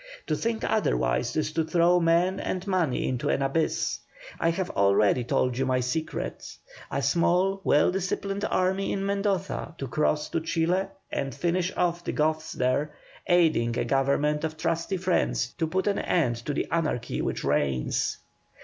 To think otherwise is to throw men and money into an abyss. I have already told you my secret. A small, well disciplined army in Mendoza, to cross to Chile and finish off the Goths there, aiding a government of trusty friends to put an end to the anarchy which reigns.